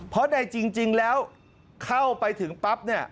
เพราะในจริงแล้วเข้าไปถึงปั๊บเนี่ย